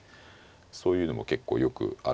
そういうのも結構よくある。